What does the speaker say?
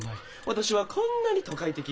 私はこんなに都会的。